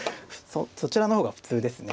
そちらの方が普通ですね